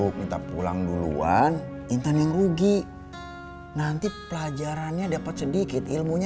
minta pulang duluan intan yang rugi nanti pelajarannya dapat sedikit ilmunya